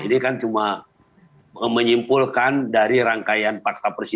ini kan cuma menyimpulkan dari rangkaian fakta persidangan